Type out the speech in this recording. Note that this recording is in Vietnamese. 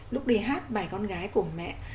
lúc đi hát bài con gái của mẹ